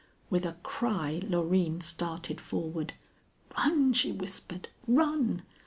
With a cry Loreen started forward. "Run!" she whispered. "Run!"